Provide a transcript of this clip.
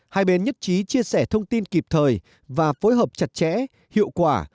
hai bên nhất trí chia sẻ thông tin kịp thời và phối hợp chặt chẽ hiệu quả